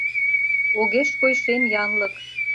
Огеш кой шем янлык.